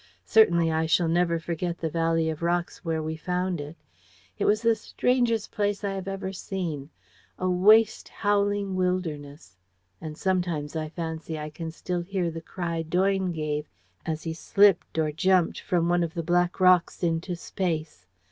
Certainly, I shall never forget the valley of rocks where we found it. It was the strangest place I have ever seen a 'waste howling wilderness.' And sometimes I fancy I can still hear the cry Doyne gave as he slipped or jumped from one of the black rocks into space.